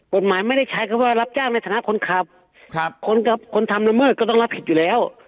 กฎหมายไม่ได้ใช้คำว่ารับจ้างในฐานะคนขับคนกับคนทำละเมิดก็ต้องรับผิดอยู่แล้ว